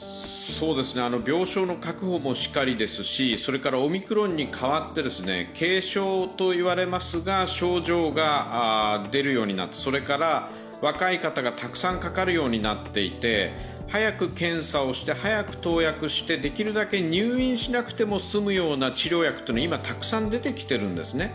そうですね、病床の確保もしかりですし、それからオミクロンにかわって軽症と言われますが症状が出るようになって、それから若い方がたくさんかかるようになっていて早く検査をして早く投薬をしてできるだけ入院しなくてすむような治療薬というのは今、たくさん出てきているんですね。